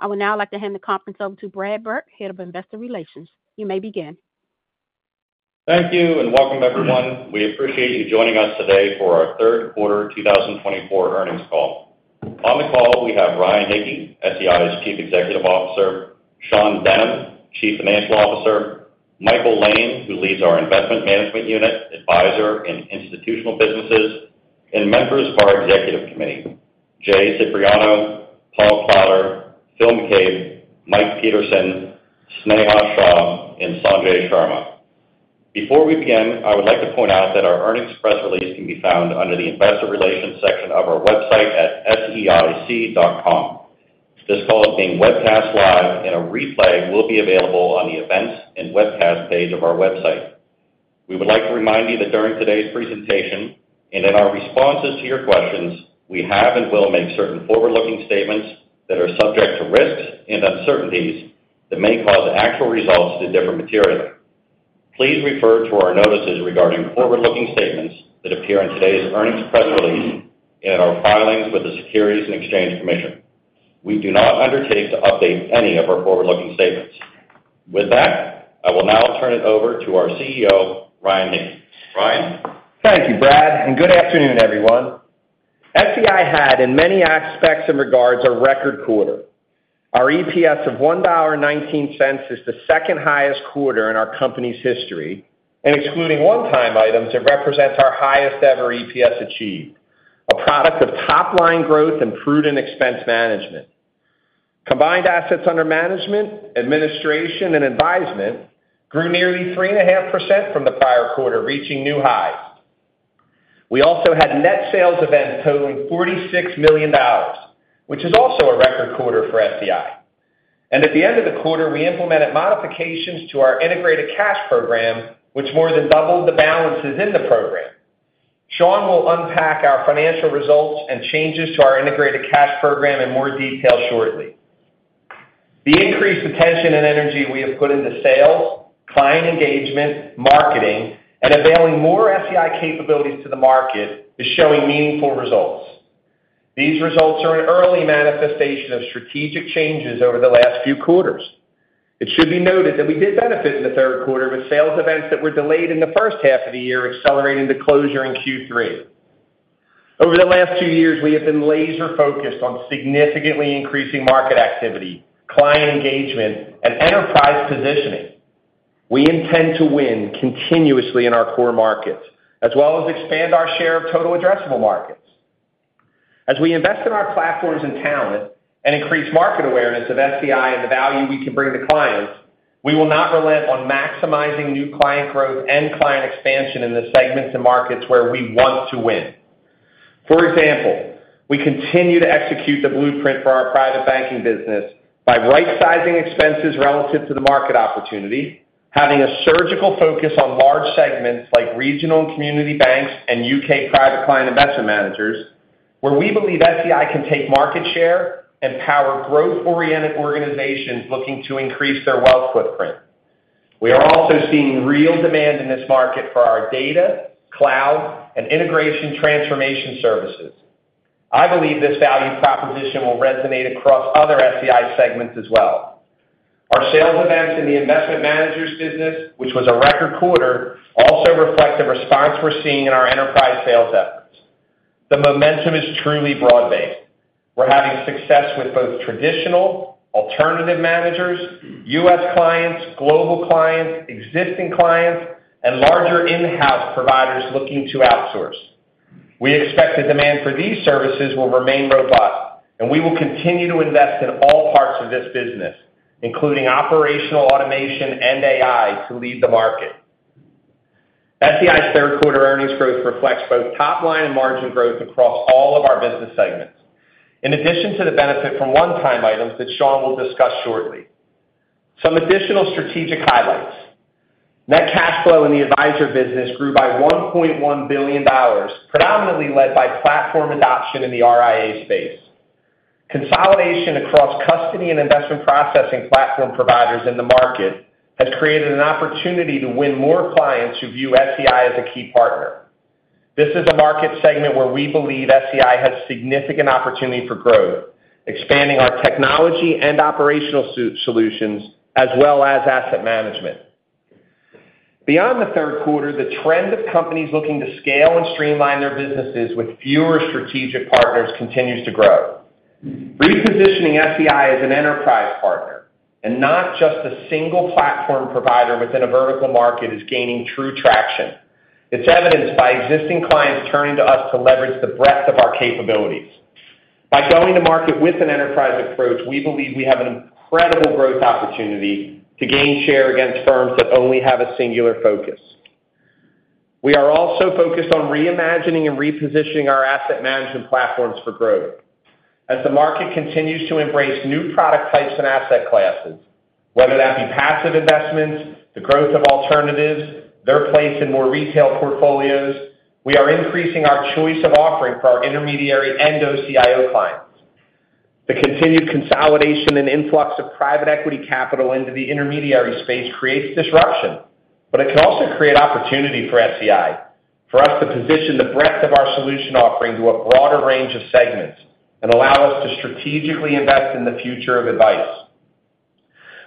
I would now like to hand the conference over to Brad Burke, Head of Investor Relations. You may begin. Thank you, and welcome, everyone. We appreciate you joining us today for our third quarter 2024 earnings call. On the call, we have Ryan Hicke, SEI's Chief Executive Officer, Sean Denham, Chief Financial Officer, Michael Lane, who leads our Investment Management Unit, Advisor and Institutional businesses, and members of our executive committee, Jay Cipriano, Paul Fowler, Phil McCabe, Mike Peterson, Sneha Shah, and Sanjay Sharma. Before we begin, I would like to point out that our earnings press release can be found under the Investor Relations section of our website at seic.com. This call is being webcast live, and a replay will be available on the events and webcast page of our website. We would like to remind you that during today's presentation, and in our responses to your questions, we have and will make certain forward-looking statements that are subject to risks and uncertainties that may cause actual results to differ materially. Please refer to our notices regarding forward-looking statements that appear in today's earnings press release and in our filings with the Securities and Exchange Commission. We do not undertake to update any of our forward-looking statements. With that, I will now turn it over to our CEO, Ryan Hicke. Ryan? Thank you, Brad, and good afternoon, everyone. SEI had, in many aspects and regards, a record quarter. Our EPS of $1.19 is the second-highest quarter in our company's history, and excluding one-time items, it represents our highest-ever EPS achieved, a product of top-line growth and prudent expense management. Combined assets under management, administration, and advisement grew nearly 3.5% from the prior quarter, reaching new highs. We also had net sales events totaling $46 million, which is also a record quarter for SEI. At the end of the quarter, we implemented modifications to our Integrated Cash Program, which more than doubled the balances in the program. Sean will unpack our financial results and changes to our Integrated Cash Program in more detail shortly. The increased attention and energy we have put into sales, client engagement, marketing, and availing more SEI capabilities to the market is showing meaningful results. These results are an early manifestation of strategic changes over the last few quarters. It should be noted that we did benefit in the third quarter with sales events that were delayed in the first half of the year, accelerating the closure in Q3. Over the last two years, we have been laser-focused on significantly increasing market activity, client engagement, and enterprise positioning. We intend to win continuously in our core markets, as well as expand our share of total addressable markets. As we invest in our platforms and talent and increase market awareness of SEI and the value we can bring to clients, we will not relent on maximizing new client growth and client expansion in the segments and markets where we want to win. For example, we continue to execute the blueprint for Private Banking business by right-sizing expenses relative to the market opportunity, having a surgical focus on large segments like regional and community banks and U.K. private client Investment Managers, where we believe SEI can take market share and power growth-oriented organizations looking to increase their wealth footprint. We are also seeing real demand in this market for our Data Cloud, and integration transformation services. I believe this value proposition will resonate across other SEI segments as well. Our sales events in Investment Managers business, which was a record quarter, also reflect the response we're seeing in our enterprise sales efforts. The momentum is truly broad-based. We're having success with both traditional, alternative managers, U.S. clients, global clients, existing clients, and larger in-house providers looking to outsource. We expect the demand for these services will remain robust, and we will continue to invest in all parts of this business, including operational automation and AI, to lead the market. SEI's third quarter earnings growth reflects both top-line and margin growth across all of our business segments, in addition to the benefit from one-time items that Sean will discuss shortly. Some additional strategic highlights. Net cash flow in the Advisor business grew by $1.1 billion, predominantly led by platform adoption in the RIA space. Consolidation across custody and investment processing platform providers in the market has created an opportunity to win more clients who view SEI as a key partner. This is a market segment where we believe SEI has significant opportunity for growth, expanding our technology and operational solutions, as well as asset management. Beyond the third quarter, the trend of companies looking to scale and streamline their businesses with fewer strategic partners continues to grow. Repositioning SEI as an enterprise partner and not just a single platform provider within a vertical market is gaining true traction. It's evidenced by existing clients turning to us to leverage the breadth of our capabilities. By going to market with an enterprise approach, we believe we have an incredible growth opportunity to gain share against firms that only have a singular focus. We are also focused on reimagining and repositioning our asset management platforms for growth. As the market continues to embrace new product types and asset classes, whether that be passive investments, the growth of alternatives, their place in more retail portfolios. We are increasing our choice of offering for our intermediary and OCIO clients. The continued consolidation and influx of private equity capital into the intermediary space creates disruption, but it can also create opportunity for SEI. For us to position the breadth of our solution offering to a broader range of segments and allow us to strategically invest in the future of advice.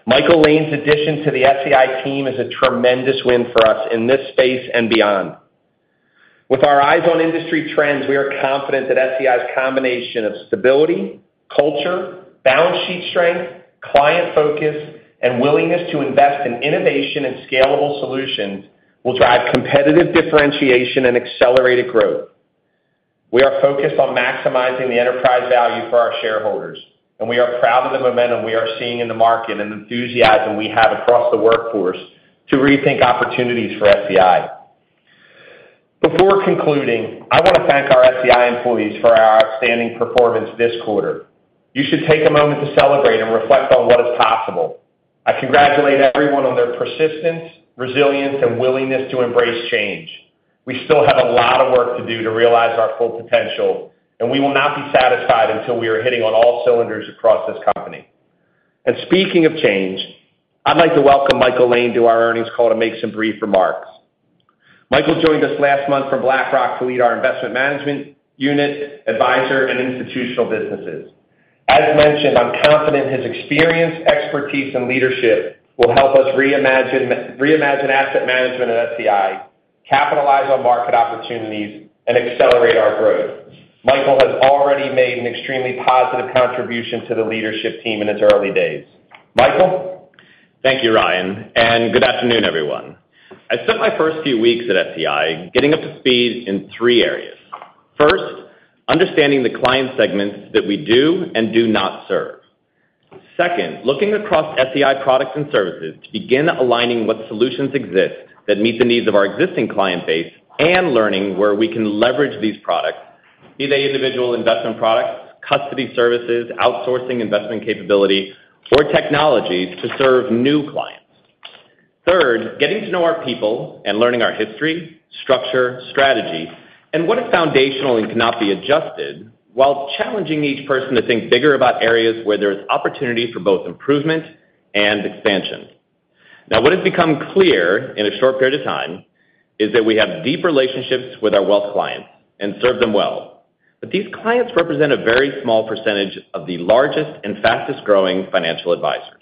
Michael Lane's addition to the SEI team is a tremendous win for us in this space and beyond. With our eyes on industry trends, we are confident that SEI's combination of stability, culture, balance sheet strength, client focus, and willingness to invest in innovation and scalable solutions will drive competitive differentiation and accelerated growth. We are focused on maximizing the enterprise value for our shareholders, and we are proud of the momentum we are seeing in the market and the enthusiasm we have across the workforce to rethink opportunities for SEI. Before concluding, I want to thank our SEI employees for our outstanding performance this quarter. You should take a moment to celebrate and reflect on what is possible. I congratulate everyone on their persistence, resilience, and willingness to embrace change. We still have a lot of work to do to realize our full potential, and we will not be satisfied until we are hitting on all cylinders across this company. And speaking of change, I'd like to welcome Michael Lane to our earnings call to make some brief remarks. Michael joined us last month from BlackRock to lead our Investment Management Unit, Advisor, and Institutional businesses. As mentioned, I'm confident his experience, expertise, and leadership will help us reimagine asset management at SEI, capitalize on market opportunities, and accelerate our growth. Michael has already made an extremely positive contribution to the leadership team in his early days. Michael? Thank you, Ryan, and good afternoon, everyone. I spent my first few weeks at SEI getting up to speed in three areas. First, understanding the client segments that we do and do not serve. Second, looking across SEI products and services to begin aligning what solutions exist that meet the needs of our existing client base and learning where we can leverage these products, be they individual investment products, custody services, outsourcing investment capability, or technologies to serve new clients. Third, getting to know our people and learning our history, structure, strategy, and what is foundational and cannot be adjusted, while challenging each person to think bigger about areas where there is opportunity for both improvement and expansion. Now, what has become clear in a short period of time is that we have deep relationships with our wealth clients and serve them well. But these clients represent a very small percentage of the largest and fastest-growing financial advisors.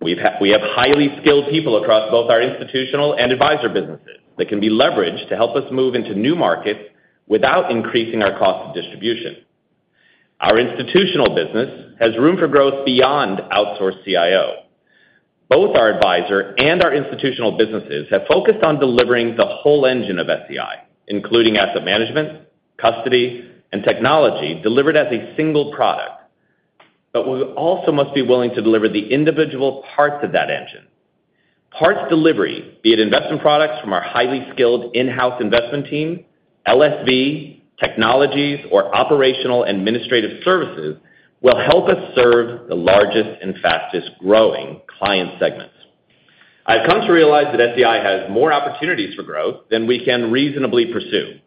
We have highly skilled people across both our Institutional and Advisor Businesses that can be leveraged to help us move into new markets without increasing our cost of distribution. Our Institutional business has room for growth beyond outsourced CIO. Both our Advisor and our Institutional businesses have focused on delivering the whole engine of SEI, including asset management, custody, and technology, delivered as a single product. But we also must be willing to deliver the individual parts of that engine. Parts delivery, be it investment products from our highly skilled in-house investment team, LSV, technologies, or operational administrative services, will help us serve the largest and fastest-growing client segments. I've come to realize that SEI has more opportunities for growth than we can reasonably pursue.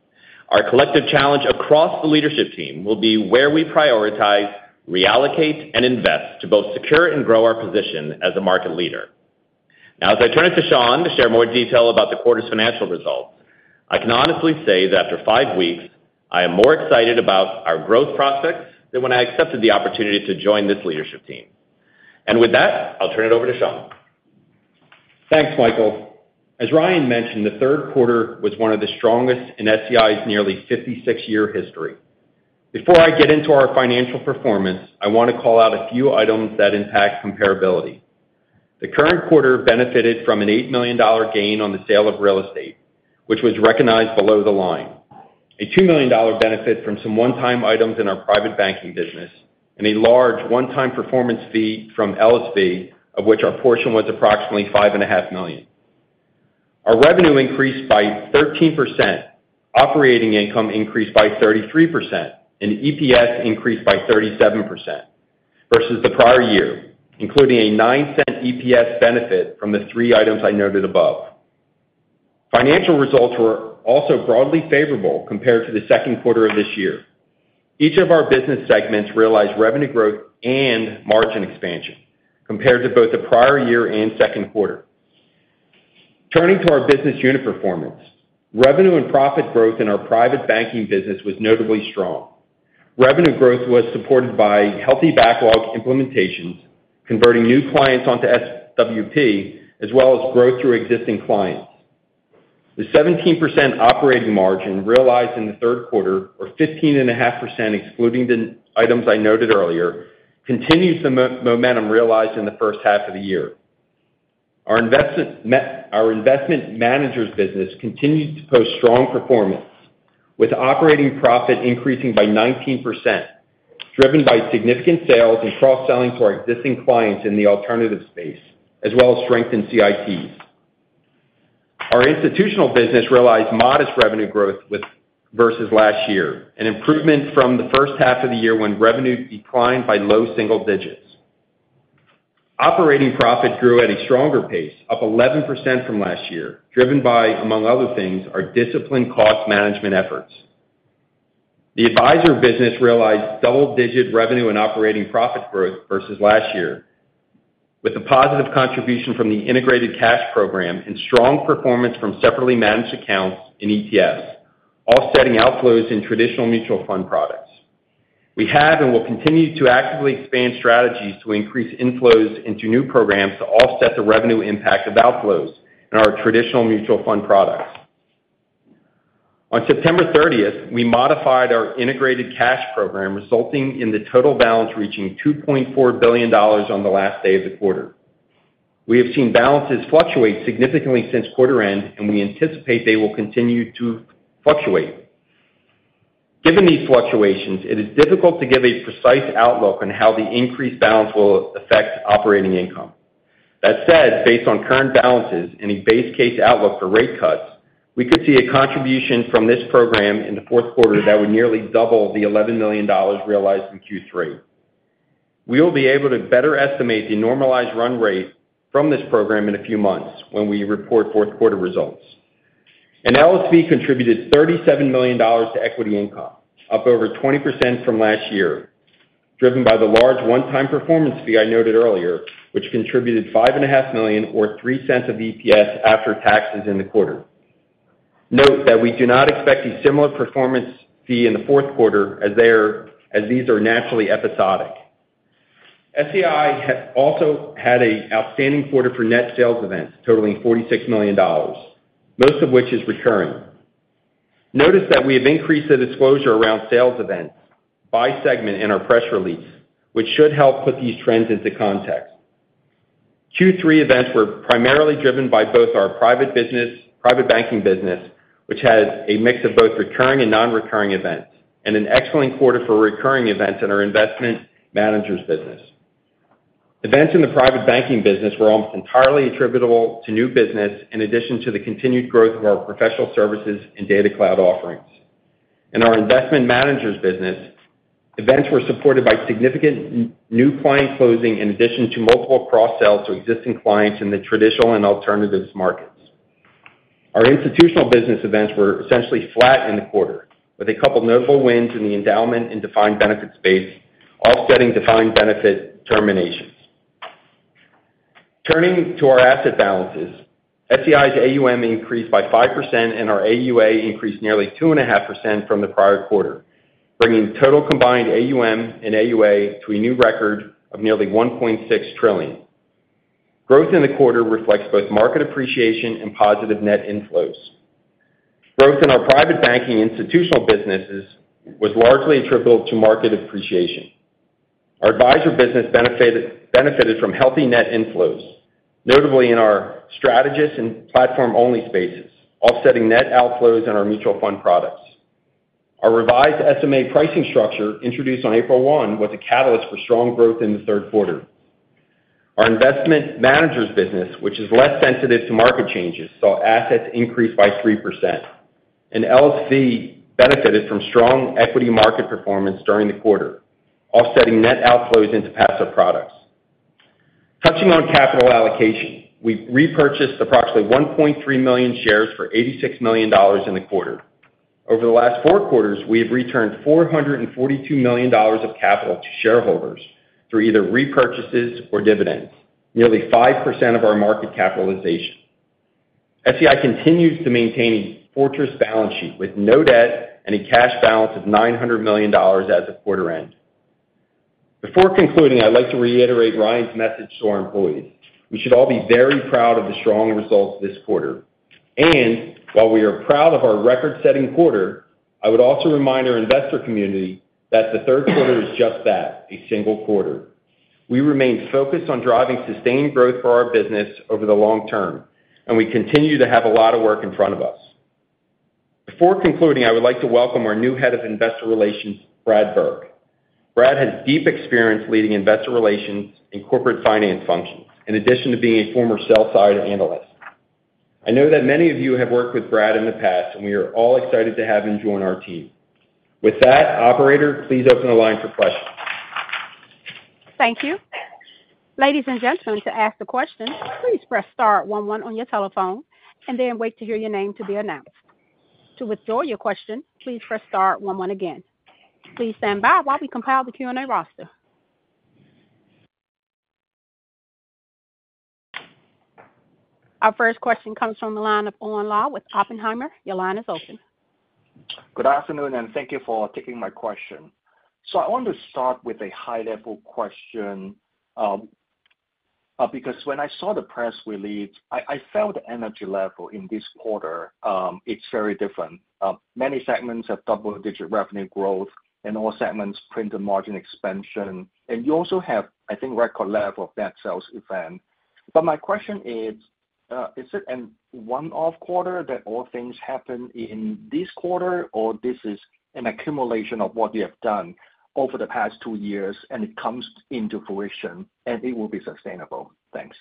Our collective challenge across the leadership team will be where we prioritize, reallocate, and invest to both secure and grow our position as a market leader. Now, as I turn it to Sean to share more detail about the quarter's financial results, I can honestly say that after five weeks, I am more excited about our growth prospects than when I accepted the opportunity to join this leadership team. And with that, I'll turn it over to Sean. Thanks, Michael. As Ryan mentioned, the third quarter was one of the strongest in SEI's nearly 56-year history. Before I get into our financial performance, I want to call out a few items that impact comparability. The current quarter benefited from an $8 million gain on the sale of real estate, which was recognized below the line, a $2 million benefit from some one-time items in Private Banking business, and a large one-time performance fee from LSV, of which our portion was approximately $5.5 million. Our revenue increased by 13%, operating income increased by 33%, and EPS increased by 37% versus the prior year, including a $0.09 EPS benefit from the three items I noted above. Financial results were also broadly favorable compared to the second quarter of this year. Each of our business segments realized revenue growth and margin expansion compared to both the prior year and second quarter. Turning to our business unit performance. Revenue and profit growth in Private Banking business was notably strong. Revenue growth was supported by healthy backlog implementations, converting new clients onto SWP, as well as growth through existing clients. The 17% operating margin realized in the third quarter, or 15.5%, excluding the items I noted earlier, continues the momentum realized in the first half of the year. Investment Managers business continued to post strong performance, with operating profit increasing by 19%, driven by significant sales and cross-selling to our existing clients in the alternative space, as well as strength in CITs. Our Institutional business realized modest revenue growth versus last year, an improvement from the first half of the year when revenue declined by low single digits. Operating profit grew at a stronger pace, up 11% from last year, driven by, among other things, our disciplined cost management efforts. The Advisor business realized double-digit revenue and operating profit growth versus last year, with a positive contribution from the Integrated Cash Program and strong performance from separately managed accounts and ETFs, offsetting outflows in traditional mutual fund products. We have and will continue to actively expand strategies to increase inflows into new programs to offset the revenue impact of outflows in our traditional mutual fund products. On September thirtieth, we modified our Integrated Cash Program, resulting in the total balance reaching $2.4 billion on the last day of the quarter. We have seen balances fluctuate significantly since quarter end, and we anticipate they will continue to fluctuate. Given these fluctuations, it is difficult to give a precise outlook on how the increased balance will affect operating income. That said, based on current balances and a base case outlook for rate cuts, we could see a contribution from this program in the fourth quarter that would nearly double the $11 million realized in Q3. We will be able to better estimate the normalized run rate from this program in a few months, when we report fourth quarter results, and LSV contributed $37 million to equity income, up over 20% from last year, driven by the large one-time performance fee I noted earlier, which contributed $5.5 million, or $0.03 of EPS, after taxes in the quarter. Note that we do not expect a similar performance fee in the fourth quarter, as these are naturally episodic. SEI has also had an outstanding quarter for net sales events, totaling $46 million, most of which is recurring. Notice that we have increased the disclosure around sales events by segment in our press release, which should help put these trends into context. Q3 events were primarily driven by both Private Banking business, which had a mix of both recurring and non-recurring events, and an excellent quarter for recurring events in Investment Managers business. events in Private Banking business were almost entirely attributable to new business, in addition to the continued growth of our professional services and Data Cloud offerings. In Investment Managers business, events were supported by significant new client closing, in addition to multiple cross-sells to existing clients in the traditional and alternatives markets. Our Institutional business events were essentially flat in the quarter, with a couple of notable wins in the endowment and defined benefit space, offsetting defined benefit terminations. Turning to our asset balances, SEI's AUM increased by 5%, and our AUA increased nearly 2.5% from the prior quarter, bringing total combined AUM and AUA to a new record of nearly $1.6 trillion. Growth in the quarter reflects both market appreciation and positive net inflows. Growth in our Private Banking and Institutional businesses was largely attributable to market appreciation. Our Advisor business benefited from healthy net inflows, notably in our strategist and platform-only spaces, offsetting net outflows in our mutual fund products. Our revised SMA pricing structure, introduced on April one, was a catalyst for strong growth in the third quarter. Investment Managers business, which is less sensitive to market changes, saw assets increase by 3%, and LSV benefited from strong equity market performance during the quarter, offsetting net outflows into passive products. Touching on capital allocation, we repurchased approximately 1.3 million shares for $86 million in the quarter. Over the last four quarters, we have returned $442 million of capital to shareholders through either repurchases or dividends, nearly 5% of our market capitalization. SEI continues to maintain a fortress balance sheet with no debt and a cash balance of $900 million as of quarter end. Before concluding, I'd like to reiterate Ryan's message to our employees. We should all be very proud of the strong results this quarter. While we are proud of our record-setting quarter, I would also remind our investor community that the third quarter is just that, a single quarter. We remain focused on driving sustained growth for our business over the long-term, and we continue to have a lot of work in front of us. Before concluding, I would like to welcome our new Head of Investor Relations, Brad Burke. Brad has deep experience leading Investor Relations and Corporate Finance functions, in addition to being a former Sell-Side Analyst. I know that many of you have worked with Brad in the past, and we are all excited to have him join our team. With that, operator, please open the line for questions. Thank you. Ladies and gentlemen, to ask a question, please press star one one on your telephone and then wait to hear your name to be announced. To withdraw your question, please press star one one again. Please stand by while we compile the Q&A roster. Our first question comes from the line of Owen Lau with Oppenheimer. Your line is open. Good afternoon, and thank you for taking my question. So I want to start with a high-level question, because when I saw the press release, I felt the energy level in this quarter, it's very different. Many segments have double-digit revenue growth and all segments printed margin expansion, and you also have, I think, record level of net sales event. But my question is, is it a one-off quarter that all things happen in this quarter, or this is an accumulation of what you have done over the past two years, and it comes into fruition, and it will be sustainable? Thanks.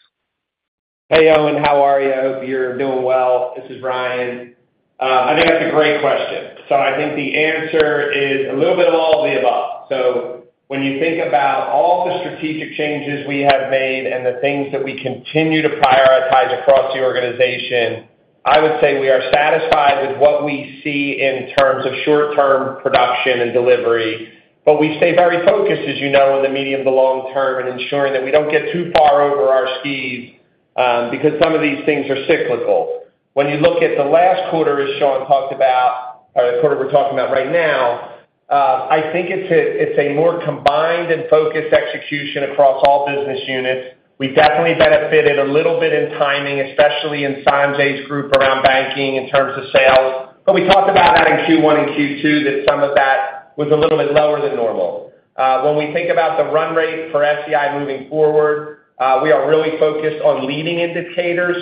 Hey, Owen, how are you? I hope you're doing well. This is Ryan. I think that's a great question. So I think the answer is a little bit of all of the above. ...So when you think about all the strategic changes we have made and the things that we continue to prioritize across the organization, I would say we are satisfied with what we see in terms of short-term production and delivery. But we stay very focused, as you know, in the medium to long-term, and ensuring that we don't get too far over our skis, because some of these things are cyclical. When you look at the last quarter, as Sean talked about, or the quarter we're talking about right now, I think it's a more combined and focused execution across all business units. We've definitely benefited a little bit in timing, especially in Sanjay's group around banking in terms of sales, but we talked about that in Q1 and Q2, that some of that was a little bit lower than normal. When we think about the run rate for SEI moving forward, we are really focused on leading indicators,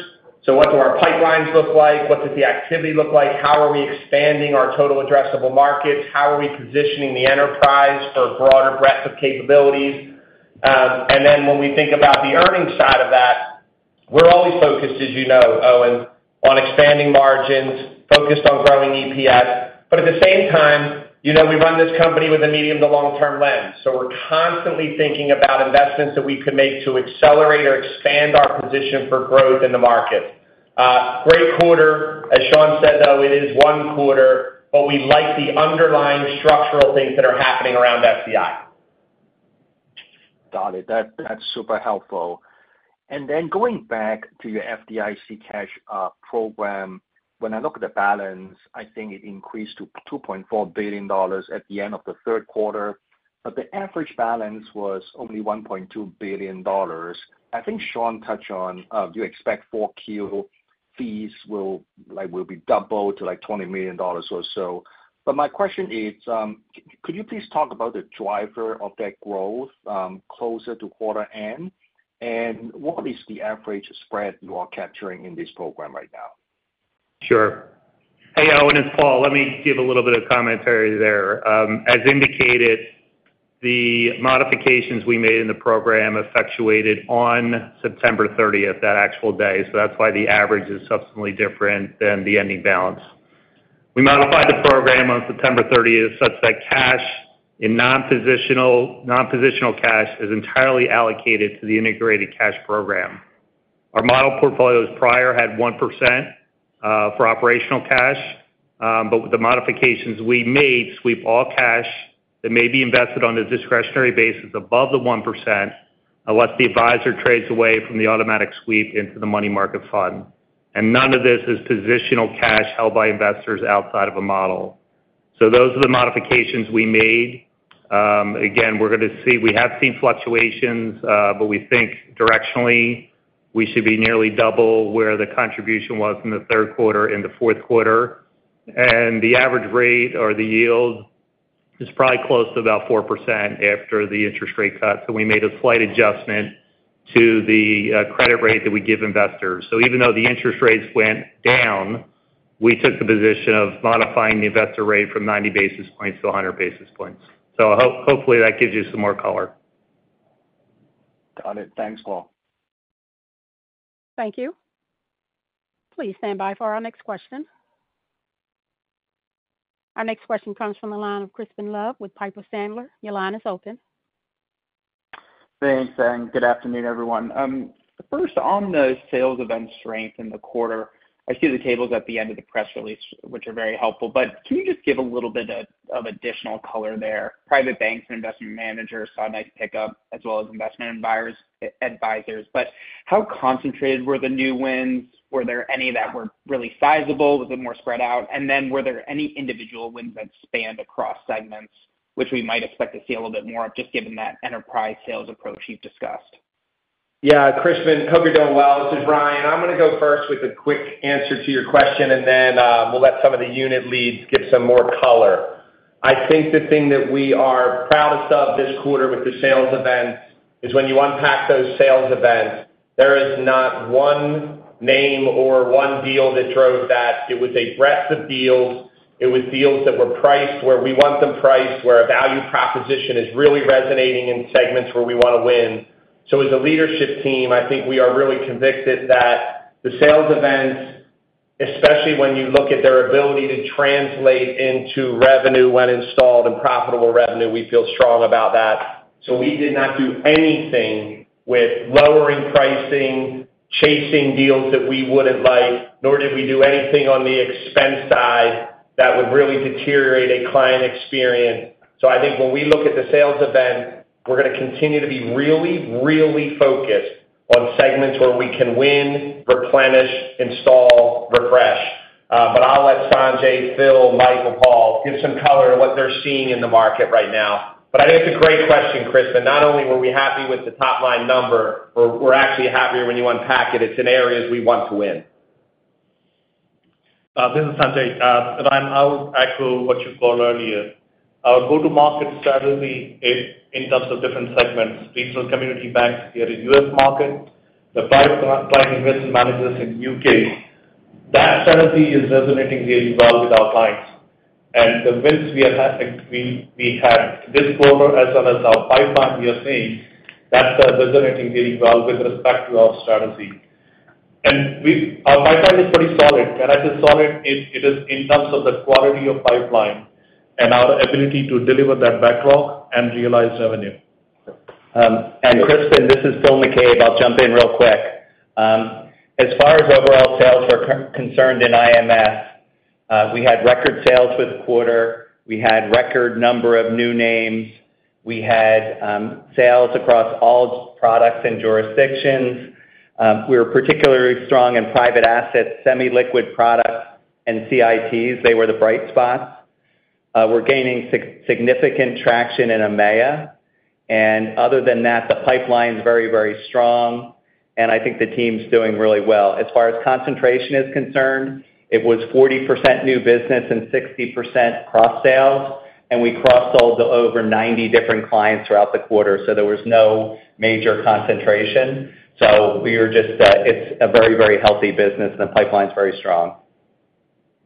so what do our pipelines look like? What does the activity look like? How are we expanding our total addressable markets? How are we positioning the enterprise for a broader breadth of capabilities, and then when we think about the earnings side of that, we're always focused, as you know, Owen, on expanding margins, focused on growing EPS, but at the same time, you know, we run this company with a medium to long-term lens, so we're constantly thinking about investments that we could make to accelerate or expand our position for growth in the market. Great quarter. As Sean said, though, it is one quarter, but we like the underlying structural things that are happening around SEI. Got it. That's, that's super helpful. And then going back to your FDIC cash program. When I look at the balance, I think it increased to $2.4 billion at the end of the third quarter, but the average balance was only $1.2 billion. I think Sean touched on, do you expect 4Q fees will like, will be doubled to, like, $20 million or so? But my question is, could you please talk about the driver of that growth, closer to quarter end? And what is the average spread you are capturing in this program right now? Sure. Hey, Owen, it's Paul. Let me give a little bit of commentary there. As indicated, the modifications we made in the program effectuated on September thirtieth, that actual day, so that's why the average is substantially different than the ending balance. We modified the program on September thirtieth, such that cash in non-positional cash is entirely allocated to the Integrated Cash Program. Our model portfolios prior had 1%, for operational cash, but with the modifications we made, sweep all cash that may be invested on a discretionary basis above the 1%, unless the advisor trades away from the automatic sweep into the money market fund, and none of this is positional cash held by investors outside of a model, so those are the modifications we made. Again, we're going to see, we have seen fluctuations, but we think directionally, we should be nearly double where the contribution was in the third quarter, in the fourth quarter, and the average rate or the yield is probably close to about 4% after the interest rate cut, so we made a slight adjustment to the credit rate that we give investors, so even though the interest rates went down, we took the position of modifying the investor rate from 90 basis points to 100 basis points, so hopefully that gives you some more color. Got it. Thanks, Paul. Thank you. Please stand by for our next question. Our next question comes from the line of Crispin Love with Piper Sandler. Your line is open. Thanks, and good afternoon, everyone. First, on the sales event strength in the quarter. I see the tables at the end of the press release, which are very helpful, but can you just give a little bit of additional color there? Private banks and Investment Managers saw a nice pickup, as well as investment advisors. But how concentrated were the new wins? Were there any that were really sizable? Was it more spread out? And then were there any individual wins that spanned across segments, which we might expect to see a little bit more, just given that enterprise sales approach you've discussed? Yeah, Crispin. Hope you're doing well. This is Ryan. I'm going to go first with a quick answer to your question, and then we'll let some of the unit leads give some more color. I think the thing that we are proudest of this quarter with the sales events is, when you unpack those sales events, there is not one name or one deal that drove that. It was a breadth of deals. It was deals that were priced where we want them priced, where our value proposition is really resonating in segments where we want to win. So as a leadership team, I think we are really convicted that the sales events, especially when you look at their ability to translate into revenue when installed and profitable revenue, we feel strong about that. So we did not do anything with lowering pricing, chasing deals that we wouldn't like, nor did we do anything on the expense side that would really deteriorate a client experience. So I think when we look at the sales event, we're going to continue to be really, really focused on segments where we can win, replenish, install, refresh. But I'll let Sanjay, Phil, Mike, or Paul give some color on what they're seeing in the market right now. But I think it's a great question, Crispin. Not only were we happy with the top-line number, but we're actually happier when you unpack it. It's in areas we want to win. This is Sanjay. I'll echo what you called earlier. Our go-to-market strategy is in terms of different segments, regional community banks here in U.S. market, the private client Investment Managers in U.K. That strategy is resonating really well with our clients and the wins we had this quarter, as well as our pipeline, we are seeing that are resonating really well with respect to our strategy. And our pipeline is pretty solid. When I say solid, it is in terms of the quality of pipeline and our ability to deliver that backlog and realize revenue. And Crispin, this is Phil McCabe. I'll jump in real quick. As far as overall sales are concerned in IMS, we had record sales for the quarter. We had record number of new names. We had sales across all products and jurisdictions. We were particularly strong in private assets, semi-liquid products, and CITs. They were the bright spots. We're gaining significant traction in EMEA. And other than that, the pipeline's very, very strong, and I think the team's doing really well. As far as concentration is concerned, it was 40% new business and 60% cross sales, and we cross-sold to over 90 different clients throughout the quarter, so there was no major concentration. So we are just, it's a very, very healthy business, and the pipeline's very strong.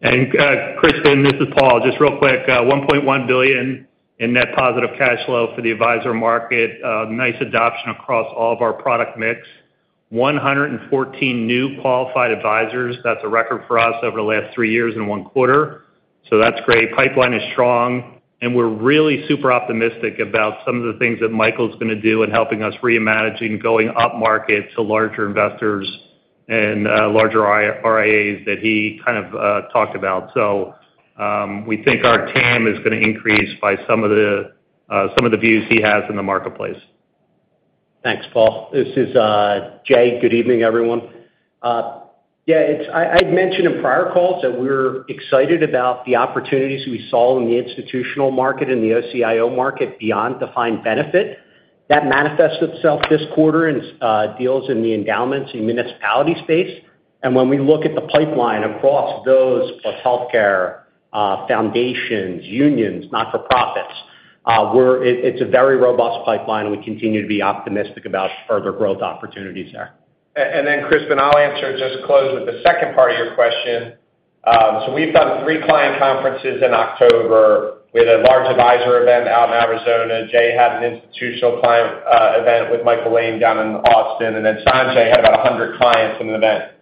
Crispin, this is Paul. Just real quick, $1.1 billion in net positive cash flow for the advisor market. Nice adoption across all of our product mix. 114 new qualified advisors. That's a record for us over the last three years in one quarter, so that's great. Pipeline is strong, and we're really super optimistic about some of the things that Michael's gonna do in helping us reimagine going upmarket to larger investors and, larger RIAs that he kind of, talked about. So, we think our TAM is gonna increase by some of the, some of the views he has in the marketplace. Thanks, Paul. This is Jay. Good evening, everyone. Yeah, I'd mentioned in prior calls that we're excited about the opportunities we saw in the Institutional market and the OCIO market beyond defined benefit. That manifests itself this quarter in some deals in the endowments and municipality space. When we look at the pipeline across those, plus healthcare, foundations, unions, not-for-profits, it's a very robust pipeline, and we continue to be optimistic about further growth opportunities there. And then, Crispin, I'll answer, just close with the second part of your question. So we've done three client conferences in October. We had a large advisor event out in Arizona. Jay had an Institutional client event with Michael Lane down in Austin, and then Sanjay had about 100 clients in an event.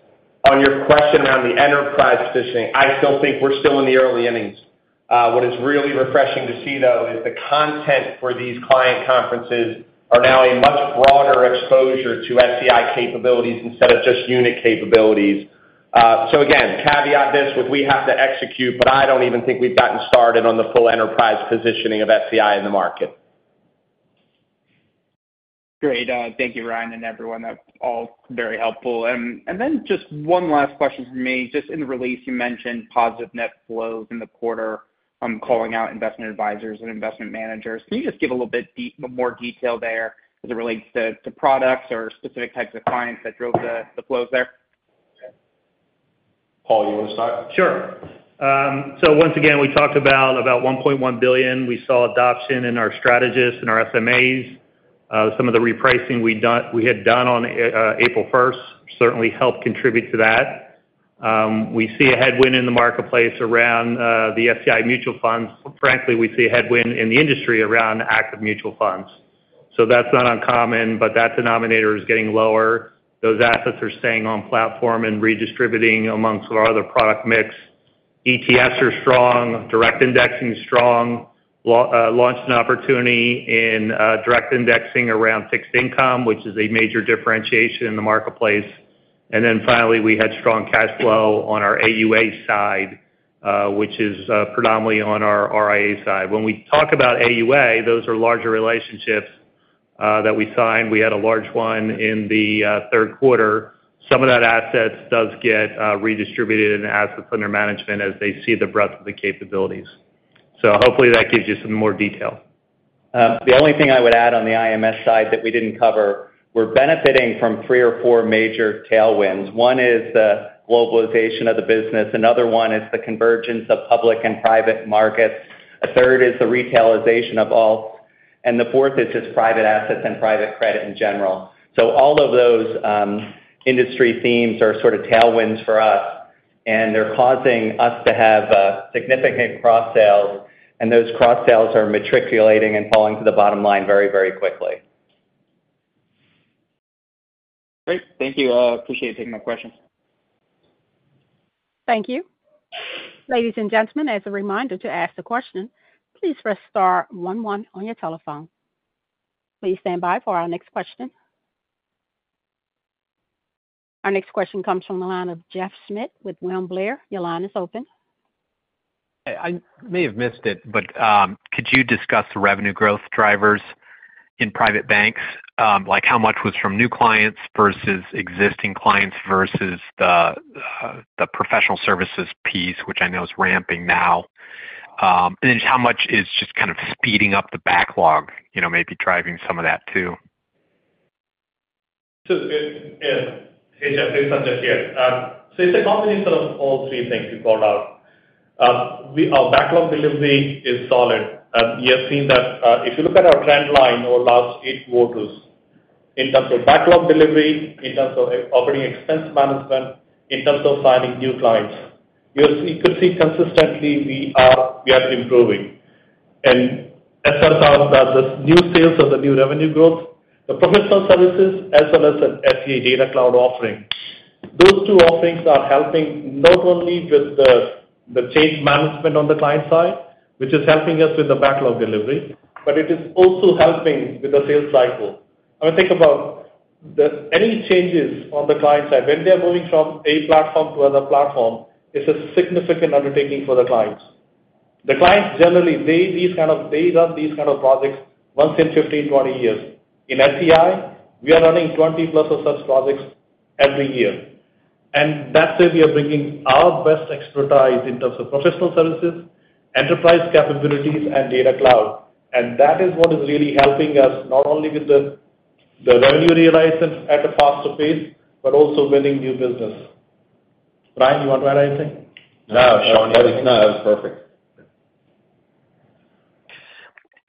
On your question around the enterprise positioning, I still think we're still in the early innings. What is really refreshing to see, though, is the content for these client conferences are now a much broader exposure to SEI capabilities instead of just unit capabilities. So again, caveat this with we have to execute, but I don't even think we've gotten started on the full enterprise positioning of SEI in the market. Great. Thank you, Ryan, and everyone. That's all very helpful. And then just one last question from me. Just in the release, you mentioned positive net flows in the quarter, calling out Investment Advisors and Investment Managers. Can you just give a little bit more detail there as it relates to products or specific types of clients that drove the flows there? Paul, you want to start? Sure. So once again, we talked about $1.1 billion. We saw adoption in our strategists and our SMAs. Some of the repricing we'd done on April first certainly helped contribute to that. We see a headwind in the marketplace around the SEI mutual funds. Frankly, we see a headwind in the industry around active mutual funds. So that's not uncommon, but that denominator is getting lower. Those assets are staying on platform and redistributing among our other product mix. ETFs are strong, direct indexing is strong. Launched an opportunity in direct indexing around fixed income, which is a major differentiation in the marketplace. And then finally, we had strong cash flow on our AUA side, which is predominantly on our RIA side. When we talk about AUA, those are larger relationships that we signed. We had a large one in the third quarter. Some of that assets does get redistributed in assets under management as they see the breadth of the capabilities. So hopefully that gives you some more detail. The only thing I would add on the IMS side that we didn't cover, we're benefiting from three or four major tailwinds. One is the globalization of the business. Another one is the convergence of public and private markets. A third is the retailization of all, and the fourth is just private assets and private credit in general. So all of those, industry themes are sort of tailwinds for us, and they're causing us to have, significant cross sales, and those cross sales are materializing and falling to the bottom line very, very quickly. Great. Thank you. Appreciate you taking my questions. Thank you. Ladies and gentlemen, as a reminder, to ask a question, please press star one one on your telephone. Please stand by for our next question. Our next question comes from the line of Jeff Schmitt with William Blair. Your line is open. I may have missed it, but could you discuss the revenue growth drivers in private banks? Like, how much was from new clients versus existing clients versus the professional services piece, which I know is ramping now. And then how much is just kind of speeding up the backlog, you know, maybe driving some of that too? Hey, Jeff. Sanjay here. It's a combination of all three things you called out. Our backlog delivery is solid. We have seen that if you look at our trend line over the last eight quarters, in terms of backlog delivery, in terms of operating expense management, in terms of signing new clients, you could see consistently we are improving, and as far as the new sales or the new revenue growth, the professional services, as well as an SEI Data Cloud offering. Those two offerings are helping not only with the change management on the client side, which is helping us with the backlog delivery, but it is also helping with the sales cycle. I mean, think about any changes on the client side, when they are moving from a platform to another platform. It's a significant undertaking for the clients. The clients, generally, they run these kind of projects once in 15, 20 years. In SEI, we are running 20-plus of such projects every year, and that's where we are bringing our best expertise in terms of professional services, enterprise capabilities, and Data Cloud, and that is what is really helping us, not only with the revenue realization at a faster pace, but also winning new business. Ryan, you want to add anything? No, Sean? No. That was perfect.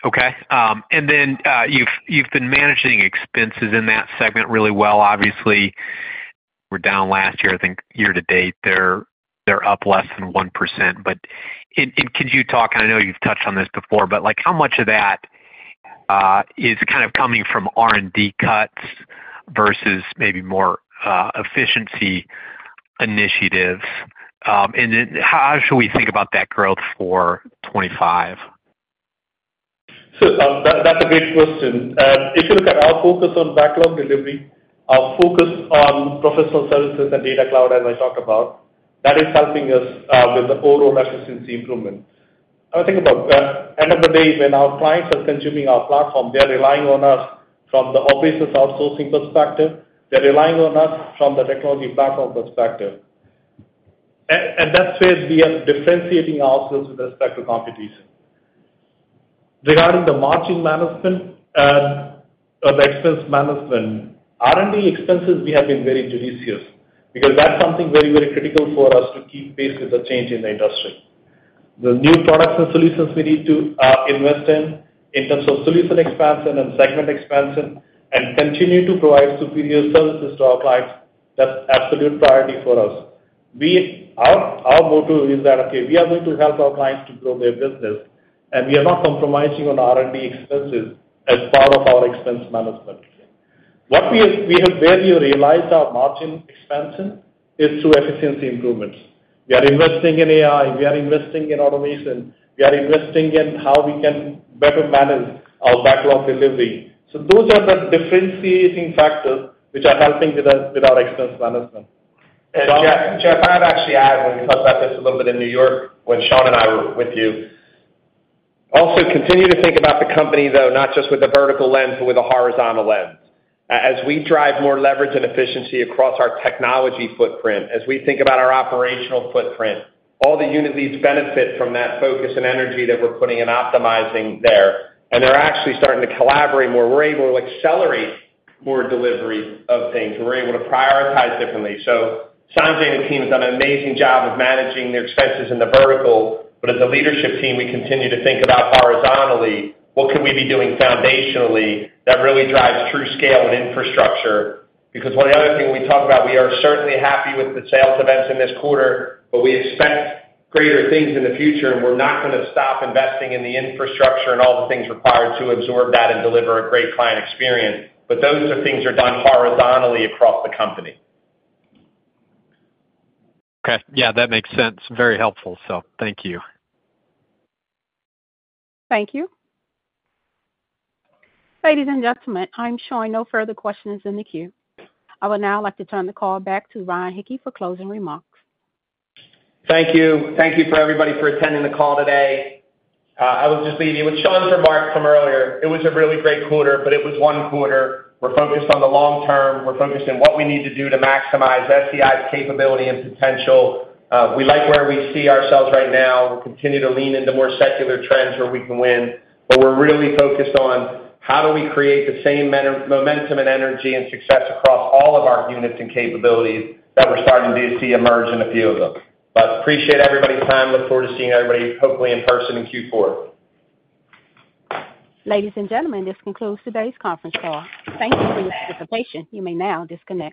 Okay, and then, you've been managing expenses in that segment really well. Obviously, we're down last year. I think year to date, they're up less than 1%. But and, and could you talk. I know you've touched on this before, but, like, how much of that is kind of coming from R&D cuts versus maybe more efficiency initiatives? And then how should we think about that growth for twenty-five? So, that's a great question. If you look at our focus on backlog delivery, our focus on professional services and Data Cloud, as I talked about, that is helping us with the overall efficiency improvement. I think about the end of the day, when our clients are consuming our platform, they're relying on us from the obvious outsourcing perspective. They're relying on us from the technology platform perspective. At that phase, we are differentiating ourselves with respect to competition. Regarding the margin management or the expense management, R&D expenses, we have been very judicious, because that's something very, very critical for us to keep pace with the change in the industry. The new products and solutions we need to invest in terms of solution expansion and segment expansion and continue to provide superior services to our clients, that's absolute priority for us. Our go-to is that we are going to help our clients to grow their business, and we are not compromising on R&D expenses as part of our expense management. We have barely realized our margin expansion is through efficiency improvements. We are investing in AI, we are investing in automation, we are investing in how we can better manage our backlog delivery. So those are the differentiating factors which are helping with our expense management. And Jeff, I'd actually add, when we talked about this a little bit in New York, when Sean and I were with you. Also continue to think about the company, though, not just with a vertical lens, but with a horizontal lens. As we drive more leverage and efficiency across our technology footprint, as we think about our operational footprint, all the unit leads benefit from that focus and energy that we're putting in optimizing there. And they're actually starting to collaborate more. We're able to accelerate more delivery of things. We're able to prioritize differently. So Sanjay and the team has done an amazing job of managing their expenses in the vertical. But as a leadership team, we continue to think about horizontally, what could we be doing foundationally that really drives true scale and infrastructure? Because one other thing we talked about, we are certainly happy with the sales events in this quarter, but we expect greater things in the future, and we're not going to stop investing in the infrastructure and all the things required to absorb that and deliver a great client experience. But those things are done horizontally across the company. Okay. Yeah, that makes sense. Very helpful. So thank you. Thank you. Ladies and gentlemen, I'm showing no further questions in the queue. I would now like to turn the call back to Ryan Hicke for closing remarks. Thank you. Thank you for everybody for attending the call today. I would just leave you with Sean's remarks from earlier. It was a really great quarter, but it was one quarter. We're focused on the long-term. We're focused on what we need to do to maximize SEI's capability and potential. We like where we see ourselves right now. We'll continue to lean into more secular trends where we can win, but we're really focused on how do we create the same momentum and energy and success across all of our units and capabilities that we're starting to see emerge in a few of them. But appreciate everybody's time. Look forward to seeing everybody, hopefully in person, in Q4. Ladies and gentlemen, this concludes today's conference call. Thank you for your participation. You may now disconnect.